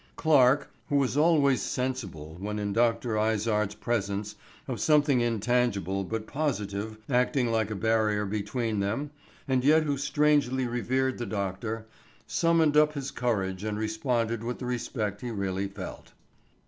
Clarke, who was always sensible when in Dr. Izard's presence of something intangible but positive acting like a barrier between them and yet who strangely revered the doctor, summoned up his courage and responded with the respect he really felt.